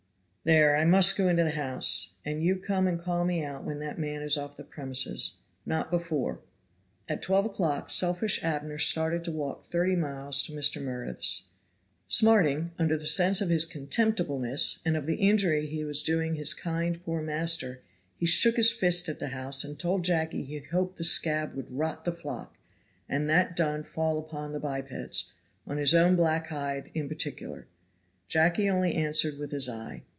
There, I must go into the house, and you come and call me out when that man is off the premises not before." At twelve o'clock selfish Abner started to walk thirty miles to Mr. Meredith's. Smarting under the sense of his contemptibleness and of the injury he was doing his kind, poor master, he shook his fist at the house and told Jacky he hoped the scab would rot the flock, and that done fall upon the bipeds, on his own black hide in particular. Jacky only answered with his eye.